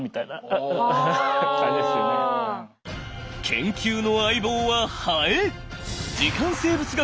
研究の相棒はハエ！